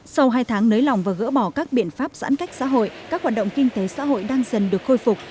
sau hai tháng nới lỏng và gỡ bỏ các biện pháp giãn cách xã hội các hoạt động kinh tế xã hội đang dần được khôi phục